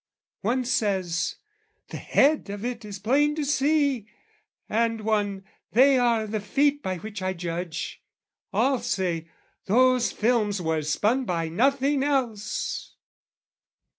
One says, "The head of it is plain to see," And one, "They are the feet by which I judge," All say, "Those films were spun by nothing else."